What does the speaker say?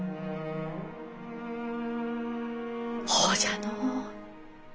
ほうじゃのう。